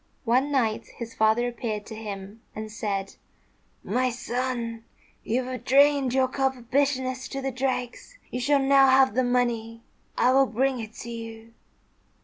One night his father appeared to him and said, "My son, you have drained your cup of bitterness to the dregs. You shall now have the money. I will bring it to you."